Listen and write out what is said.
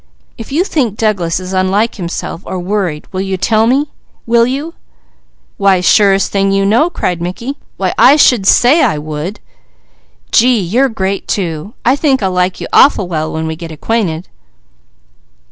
If you think Douglas is unlike himself, or worried, will you tell me? Will you?" "Why surest thing you know!" cried Mickey. "Why I should say I would! Gee, you're great too! I think I'll like you awful well when we get acquainted."